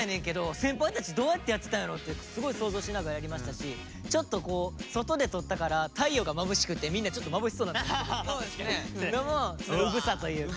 先輩たちどうやってやってたんやろってすごい想像しながらやりましたしちょっと外で撮ったから太陽がまぶしくてみんなちょっとまぶしそうな感じってのも初心さというか。